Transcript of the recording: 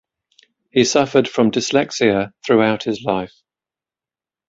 He suffered from dyslexia throughout his life.